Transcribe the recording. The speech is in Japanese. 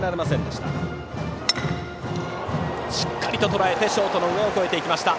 しっかりとらえてショートの上を越えました。